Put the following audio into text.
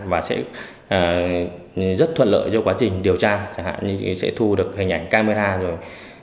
và sẽ rất thuận lợi cho quá trình điều tra chẳng hạn như sẽ thu được hình ảnh camera rồi